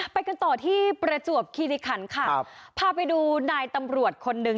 ไปกันต่อที่ประจวบคิริขันค่ะครับพาไปดูนายตำรวจคนหนึ่ง